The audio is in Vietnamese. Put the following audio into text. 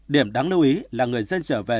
điểm đáng lưu ý là người dân trở về